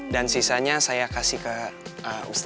dan sisanya saya kasih ke ustadz